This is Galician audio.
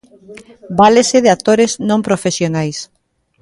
Válese de actores non profesionais.